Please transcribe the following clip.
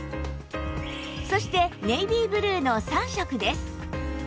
そしてネイビーブルーの３色です